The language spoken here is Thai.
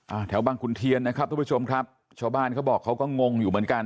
แถวบางขุนเทียนนะครับทุกผู้ชมครับชาวบ้านเขาบอกเขาก็งงอยู่เหมือนกัน